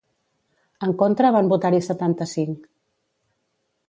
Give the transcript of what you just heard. En contra van votar-hi setanta-cinc.